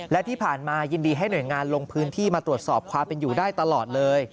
และที่ผ่านมายินดีให้หน่วยงานลงพื้นที่มาตรวจสอบความเป็นอยู่ได้ตลอดเลย